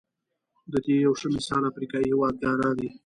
د دې یو ښه مثال افریقايي هېواد ګانا دی.